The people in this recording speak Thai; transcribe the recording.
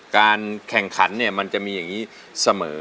การแข่งขันเนี่ยมันจะมีอย่างนี้เสมอ